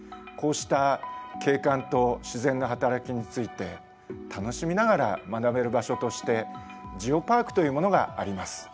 こうした景観と自然のはたらきについて楽しみながら学べる場所として「ジオパーク」というものがあります。